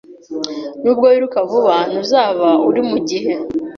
Nubwo wiruka vuba, ntuzaba uri mugihe